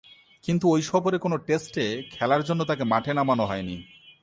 কিন্তু ঐ সফরে কোন টেস্টে খেলার জন্য তাকে মাঠে নামানো হয়নি।